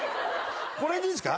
この辺でいいですか？